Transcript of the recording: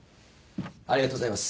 ありがとうございます。